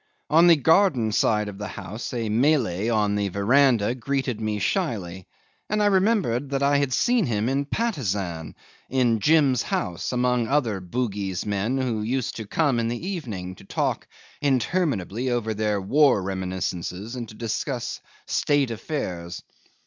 On the garden side of the house a Malay on the verandah greeted me shyly, and I remembered that I had seen him in Patusan, in Jim's house, amongst other Bugis men who used to come in the evening to talk interminably over their war reminiscences and to discuss State affairs.